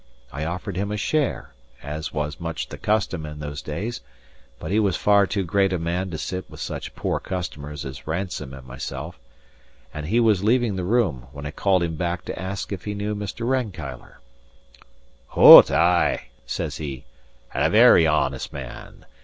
I offered him a share, as was much the custom in those days; but he was far too great a man to sit with such poor customers as Ransome and myself, and he was leaving the room, when I called him back to ask if he knew Mr. Rankeillor. "Hoot, ay," says he, "and a very honest man.